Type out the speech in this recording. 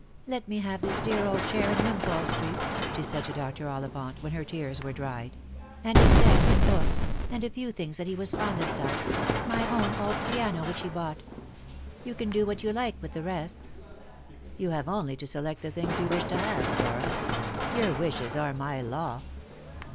" Let me have this dear old chair in "Wimpole street," she said to Dr. Ollivant, when her tears were dried, " and his desk and books, and a few things that he was fondest of — my own old piano which he bought. You can do what you like with the rest." " Ton have only to select the things you wish to have, Flora. Your wishes are my law."